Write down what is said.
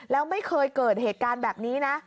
แล้วไม่เคยเกิดเหตุการณ์แบบนี้นะ